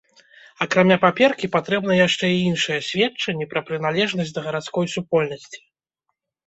Акрамя паперкі патрэбны яшчэ і іншыя сведчанні пра прыналежнасць да гарадской супольнасці.